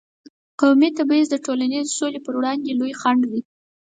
قومي تبعیض د ټولنیزې سولې پر وړاندې لوی خنډ دی.